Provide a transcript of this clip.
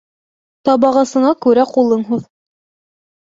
Табағасыңа күрә ҡулың һуҙ.